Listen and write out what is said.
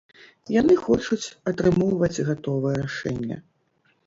Яны хочуць атрымоўваць гатовае рашэнне.